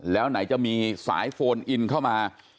แล้วไหนจะมีสายโฟนอินเข้ามา